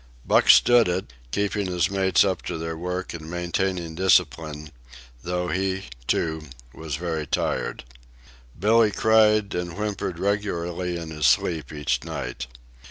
Buck stood it, keeping his mates up to their work and maintaining discipline, though he, too, was very tired. Billee cried and whimpered regularly in his sleep each night.